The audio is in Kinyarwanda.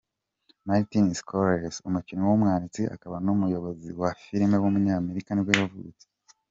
Martin Scorsese, umukinnyi, umwanditsi akaba n’umuyobozi wa filime w’umunyamerika nibwo yavutse.